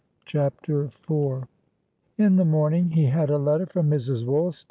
CHAPTER IV In the morning he had a letter from Mrs. Woolstan.